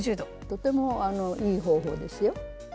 とてもいい方法ですよ。